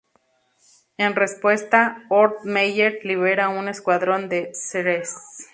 En respuesta, Ort-Meyer libera un escuadrón de "Sres.